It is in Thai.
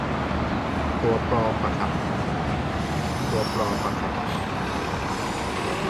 ตัวปลอมปะครับ